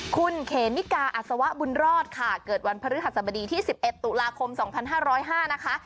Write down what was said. คุณเขมิกาอัศวะบุญรอดค่ะเกิดวันพฤหัสบดีที่๑๑ตุลาคม๒๕๐๕นะคะ